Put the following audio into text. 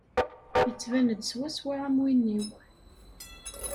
Yettban-d swaswa am win-iw.